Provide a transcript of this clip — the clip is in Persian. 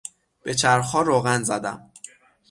به چرخها روغن زدم.